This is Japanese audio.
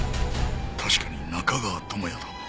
確かに中川智哉だ